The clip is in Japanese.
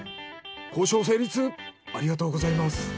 ありがとうございます。